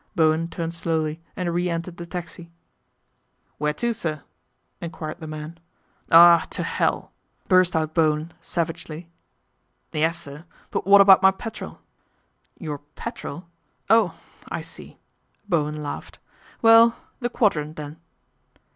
Bowen turned slowly and re entered the taxi. 1 Where to, sir ?" enquired the man. " Oh, to hell 1 " burst out Bowen savagely. ' Yes, sir ; but wot about my petrol ?"' Your petrol ? Oh ! I see," Bowen laughed. " Well ! the Quadrant then."